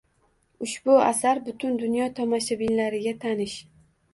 Ushbu asar butun dunyo tomoshabinlariga tanish.